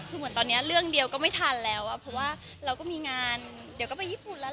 คือเหมือนตอนนี้เรื่องเดียวก็ไม่ทันแล้วอ่ะเพราะว่าเราก็มีงานเดี๋ยวก็ไปญี่ปุ่นแล้ว